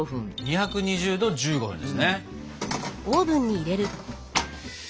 ２２０℃１５分ですね！